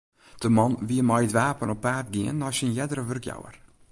De man wie mei it wapen op paad gien nei syn eardere wurkjouwer.